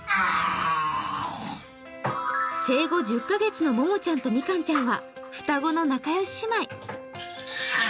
生後１０カ月のももちゃんとみかんちゃんは双子の仲良し姉妹。